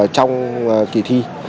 trong kỳ thi